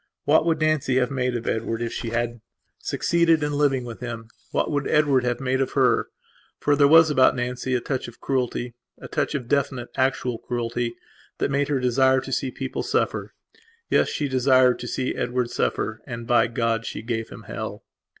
What would Nancy have made of Edward if she had succeeded in living with him; what would Edward have made of her? For there was about Nancy a touch of crueltya touch of definite actual cruelty that made her desire to see people suffer. Yes, she desired to see Edward suffer. And, by God, she gave him hell.